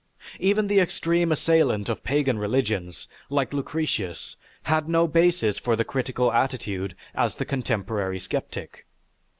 Even the extreme assailant of pagan religions, like Lucretius, had no basis for the critical attitude as the contemporary sceptic.